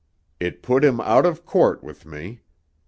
It put him out of court with me.